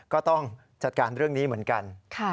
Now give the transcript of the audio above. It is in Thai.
ก็ต้องจัดการเรื่องนี้เหมือนกัน